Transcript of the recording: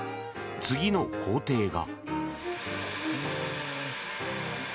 次の工程が。